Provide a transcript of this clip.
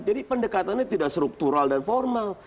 jadi pendekatannya tidak struktural dan formal